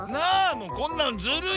もうこんなのずるい。